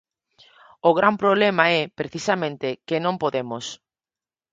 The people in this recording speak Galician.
O gran problema é, precisamente, que non podemos.